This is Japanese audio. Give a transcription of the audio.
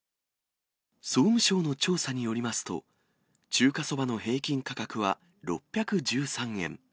総務省の調査によりますと、中華そばの平均価格は６１３円。